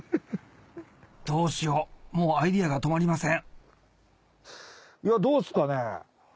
どうしようもうアイデアが止まりませんどうっすかね